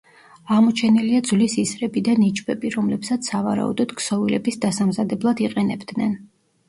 აღმოჩენილია ძვლის ისრები და ნიჩბები, რომლებსაც სავარაუდოდ ქსოვილების დასამზადებლად იყენებდნენ.